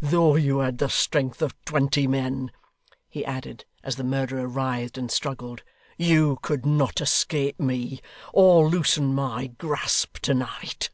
Though you had the strength of twenty men,' he added, as the murderer writhed and struggled, 'you could not escape me or loosen my grasp to night!